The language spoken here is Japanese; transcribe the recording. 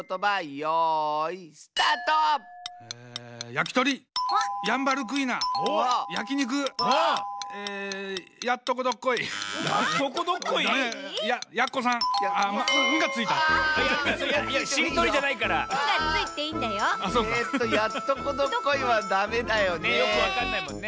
よくわかんないもんね。